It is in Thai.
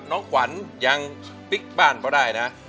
น้องขวัญยังปิ๊กบ้านก็ได้นะ